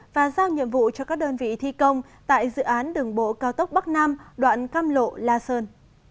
và giao nhiệm vụ cho các đơn vị thi công tại dự án đường bộ cao tốc bắc nam đoạn cam lộ la sơn